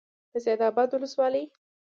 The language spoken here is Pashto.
د سید آباد ولسوالۍ